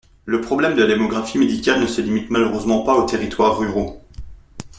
Le problème de la démographie médicale ne se limite malheureusement pas aux territoires ruraux.